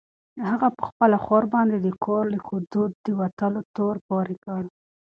هغه په خپله خور باندې د کور له حدودو د وتلو تور پورې کړ.